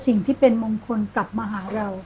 สิ่งที่เป็นมงคลกลับมาหาเรา